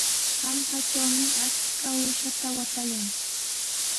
Hallqatrawmi achka uushaata waatayan.